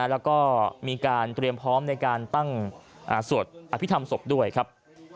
แล้วก็มีการเตรียมพร้อมในการตั้งสวดอภิษฐรรมศพด้วยครับ